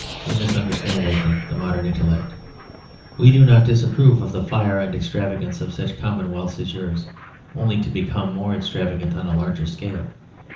You misunderstand, I think, the modern intellect. We do not disapprove of the fire and extravagance of such commonwealths as yours only to become more extravagant on a larger scale.